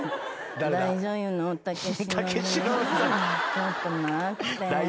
ちょっと待って。